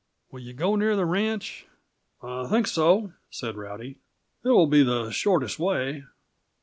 Will yuh go near the ranch?" "I think so," said Rowdy. "It will be the shortest way."